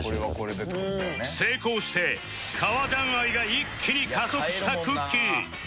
成功して革ジャン愛が一気に加速したくっきー！